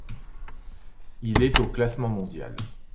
Il est au classement mondial.